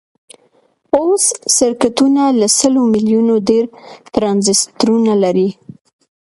اوس سرکټونه له سلو میلیونو ډیر ټرانزیسټرونه لري.